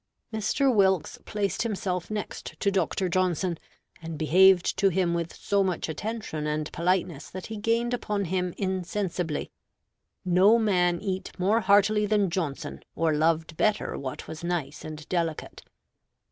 Mr. Wilkes placed himself next to Dr. Johnson, and behaved to him with so much attention and politeness that he gained upon him insensibly. No man eat more heartily than Johnson, or loved better what was nice and delicate.